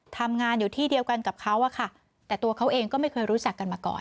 ทำงานอยู่ที่เดียวกันกับเขาอะค่ะแต่ตัวเขาเองก็ไม่เคยรู้จักกันมาก่อน